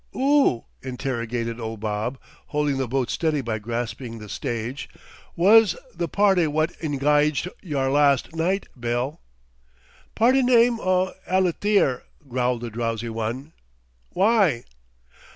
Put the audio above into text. "'Oo," interrogated old Bob, holding the boat steady by grasping the stage, "was th' party wot engyged yer larst night, Bill?" "Party name o' Allytheer," growled the drowsy one. "W'y?"